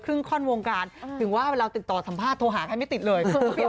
ข้อนวงการถึงว่าเวลาติดต่อสัมภาษณโทรหาใครไม่ติดเลย